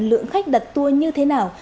lượng khách đặt tua như thế nào